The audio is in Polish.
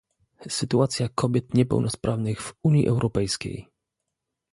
Sytuacja kobiet niepełnosprawnych w Unii Europejskiej